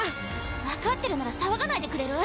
分かってるなら騒がないでくれる？